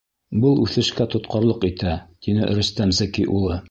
Был үҫешкә тотҡарлыҡ итә, — тине Рөстәм Зәки улы.